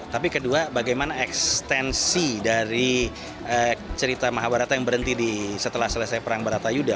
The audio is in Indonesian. tapi kedua bagaimana ekstensi dari cerita mahabharata yang berhenti setelah selesai perang barata yuda